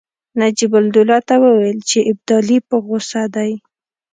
نجیب الدوله ته وویل چې ابدالي په غوسه دی.